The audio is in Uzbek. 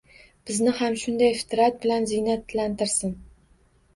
Bizni ham shunday fitrat bilan ziynatlantirsin!!!